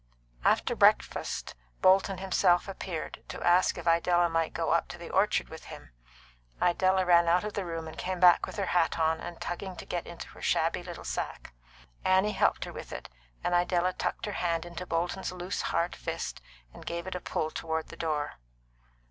After breakfast Bolton himself appeared, to ask if Idella might go up to the orchard with him. Idella ran out of the room and came back with her hat on, and tugging to get into her shabby little sack. Annie helped her with it, and Idella tucked her hand into Bolton's loose, hard fist, and gave it a pull toward the door.